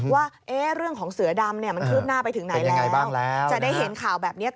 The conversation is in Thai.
ว่าเรื่องของเศร้าดำมันคือบหน้าไปถึงไหนแล้ว